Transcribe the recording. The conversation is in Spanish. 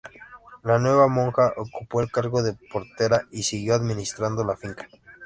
La nueva monja ocupó el cargo de portera y siguió administrando la finca.